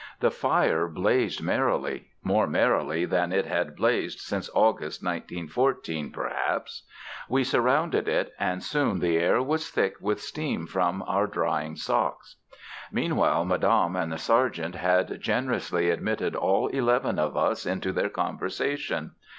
The fire blazed merrily more merrily than it had blazed since August, 1914, perhaps. We surrounded it, and soon the air was thick with steam from our drying socks. Meanwhile Madame and the Sergeant had generously admitted all eleven of us into their conversation.